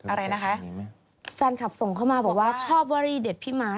อะไรนะคะแฟนคลับส่งเข้ามาบอกว่าชอบวอรี่เด็ดพี่ม้า